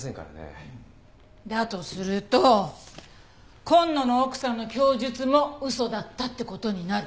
だとすると今野の奥さんの供述も嘘だったって事になる。